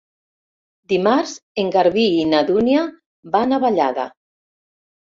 Dimarts en Garbí i na Dúnia van a Vallada.